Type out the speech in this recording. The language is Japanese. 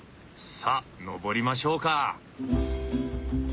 さあ登りましょうか！